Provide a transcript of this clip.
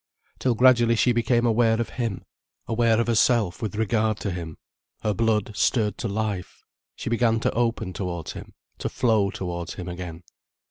Till gradually she became aware of him, aware of herself with regard to him, her blood stirred to life, she began to open towards him, to flow towards him again.